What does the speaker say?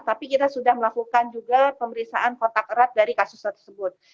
tapi kita sudah melakukan juga pemeriksaan kontak erat dari kasus tersebut